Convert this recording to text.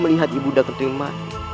melihat ibu undaku terima